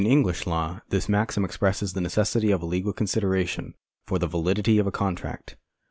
In i'^uglisli law this maxim expresses the necessity of a legal considera tion for the validity of a contract.